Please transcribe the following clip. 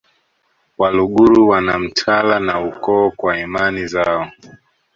Waluguru wana mtala na ukoo kwa imani zao